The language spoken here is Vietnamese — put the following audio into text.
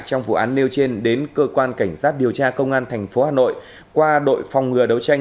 trong vụ án nêu trên đến cơ quan cảnh sát điều tra công an tp hà nội qua đội phòng ngừa đấu tranh